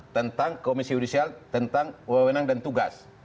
tentang komisi yudisial tentang wewenang dan tugas